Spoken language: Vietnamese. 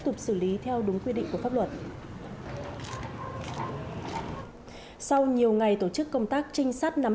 tục xử lý theo đúng quy định của pháp luật sau nhiều ngày tổ chức công tác trinh sát nắm